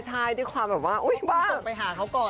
ใช่ด้วยความแบบว่าโอ้ยบ้าคุณส่งไปหาเขาก่อน